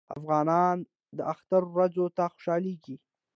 افغانان د اختر ورځو ته خوشحالیږي.